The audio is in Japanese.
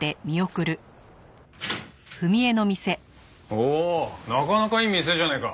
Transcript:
おおなかなかいい店じゃねえか。